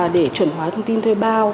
để chuẩn hóa thông tin thuê bao